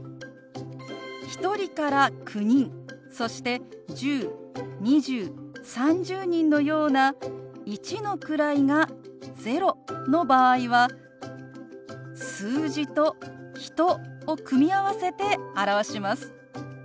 １人から９人そして１０２０３０人のような一の位が０の場合は「数字」と「人」を組み合わせて表します。